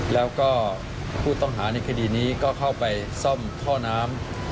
แล้วก็ผู้ต้องหาในคดีนี้ก็เข้าไปซ่อมท่อน้ำ